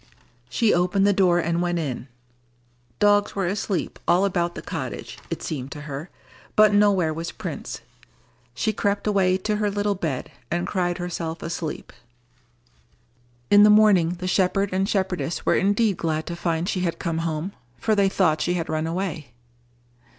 She opened the door and went in. Dogs were asleep all about the cottage, it seemed to her, but nowhere was Prince. She crept away to her little bed, and cried herself asleep. In the morning the shepherd and shepherdess were indeed glad to find she had come home, for they thought she had run away.